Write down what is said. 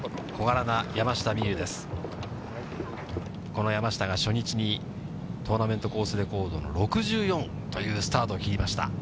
この山下が初日にトーナメントコースレコードの６４というスタートを切りました。